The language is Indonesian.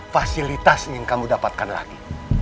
fasilitas yang kamu dapatkan lagi